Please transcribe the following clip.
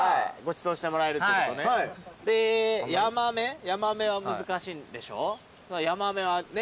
でヤマメヤマメは難しいんでしょ？